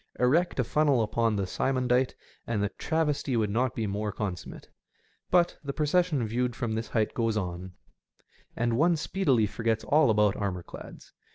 Erect a funnel upon a Symondite and the travestie would not be more consummate. But the procession viewed from this height goes on, y 208 SEASIDE EFFECTS and one speedily forgets all abont armourclads.